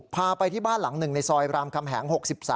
พาไปที่บ้านหลังหนึ่งในซอยรามคำแหง๖๓